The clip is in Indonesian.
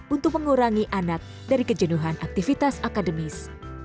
untuk mengurangi anak dari kejenuhan aktivitas akademis